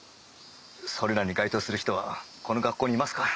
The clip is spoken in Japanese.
それらに該当する人はこの学校にいますか？